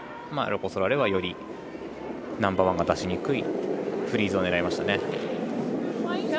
ロコ・ソラーレはよりナンバーワンが出しにくいフリーズを狙いましたね。